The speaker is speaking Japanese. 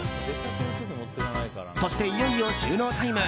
そして、いよいよ収納タイム。